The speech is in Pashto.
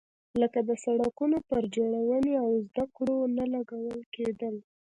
لکه د سړکونو پر جوړونې او زده کړو نه لګول کېدل.